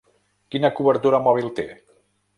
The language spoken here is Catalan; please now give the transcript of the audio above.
Quina cobertura mòbil té?